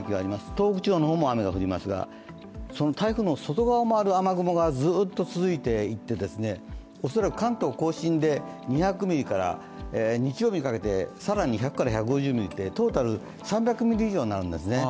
東北地方の方も雨が降りますが台風の外側を回る雨雲がずっと続いていって、恐らく関東甲信で２００ミリから、日曜日にかけて更に１００１５０ミリで、トータル３００ミリ以上になるんですね。